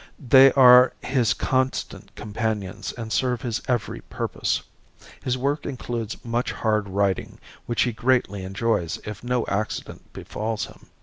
They are his constant companions and serve his every purpose. His work includes much hard riding, which he greatly enjoys if no accident befalls him.